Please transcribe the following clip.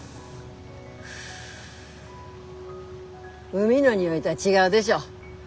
海の匂いどは違うでしょ。